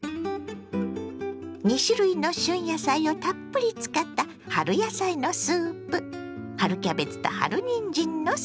２種類の旬野菜をたっぷり使った春野菜のスープ。